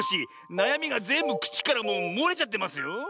なやみがぜんぶくちからもうもれちゃってますよ。